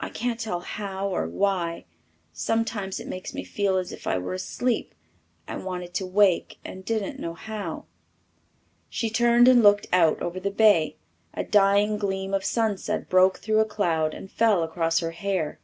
I can't tell how or why. Sometimes it makes me feel as if I were asleep and wanted to wake and didn't know how." She turned and looked out over the bay. A dying gleam of sunset broke through a cloud and fell across her hair.